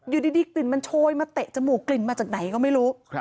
อยู่ดีกลิ่นมันโชยมาเตะจมูกกลิ่นมาจากไหนก็ไม่รู้